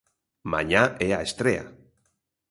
Mañá é a estrea.